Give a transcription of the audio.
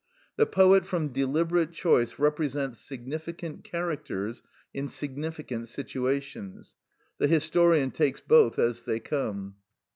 The poet from deliberate choice represents significant characters in significant situations; the historian takes both as they come.